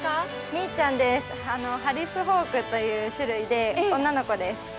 みーちゃんです、ハリスホークという種類で女の子です。